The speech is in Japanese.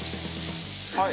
はい。